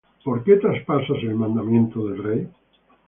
¿Por qué traspasas el mandamiento del rey?